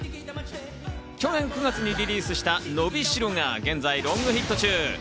去年９月にリリースした『のびしろ』が現在ロングヒット中。